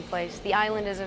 pulau ini luar biasa